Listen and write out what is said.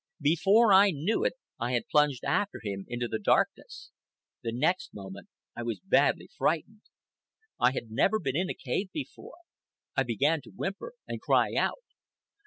Before I knew it, I had plunged after him into the darkness. The next moment I was badly frightened. I had never been in a cave before. I began to whimper and cry out.